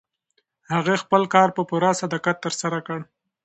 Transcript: هغې خپل کار په پوره صداقت ترسره کړ.